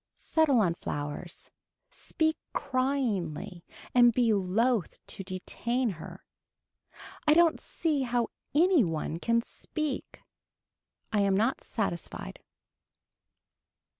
Settle on flowers, speak cryingly and be loath to detain her. I don't see how any one can speak. I am not satisfied.